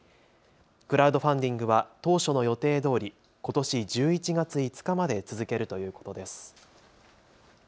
クラウドファンディングは当初の予定どおりことし１１月５日まで続けるということです。